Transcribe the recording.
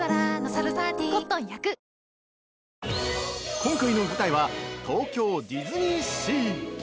◆今回の舞台は東京ディズニーシー！